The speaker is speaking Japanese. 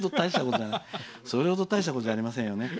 それほどたいしたことじゃありませんよ。